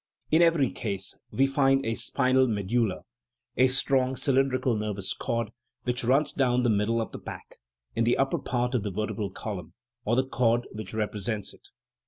In every case we find a spi nal medulla, a strong cylindrical nervous cord, which runs down the middle of the back, in the upper part of the vertebral column (or the cord which represents it).